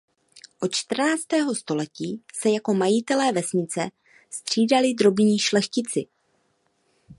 Od čtrnáctého století se jako majitelé vesnice střídali drobní šlechtici.